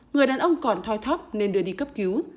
người đàn ông còn thoi thóc nên đưa đi cấp cứu